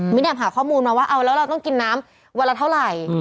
แอบหาข้อมูลมาว่าเอาแล้วเราต้องกินน้ำวันละเท่าไหร่